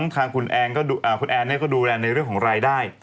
ทางคุณแอนก็ดูแลในเรื่องของรายได้